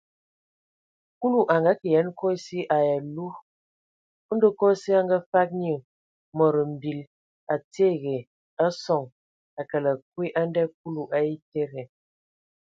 Kulu a ngakǝ yen kosi ai alu, ndɔ kosi a ngafag nye mod mbil a tiege a sɔŋ a kələg kwi a ndɛ Kulu a etede.